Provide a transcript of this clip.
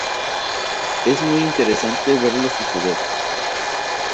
Es muy interesante verlo suceder.